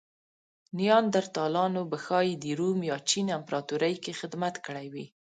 نیاندرتالانو به ښايي د روم یا چین امپراتورۍ کې خدمت کړی وی.